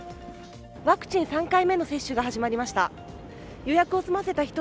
ワクチン３回目の接種が始まりました。